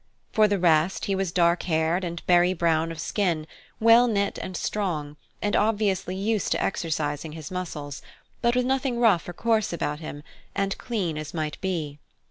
For the rest, he was dark haired and berry brown of skin, well knit and strong, and obviously used to exercising his muscles, but with nothing rough or coarse about him, and clean as might be.